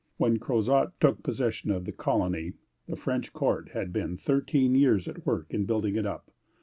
When Crozat took possession of the colony, the French court had been thirteen years at work in building it up.